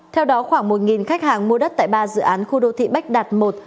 theo đó khoảng một khách hàng mua đất tại ba dự án khu đô thị bách đạt một